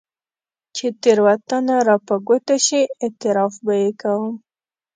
چې تېروتنه راپه ګوته شي، اعتراف به يې کوم.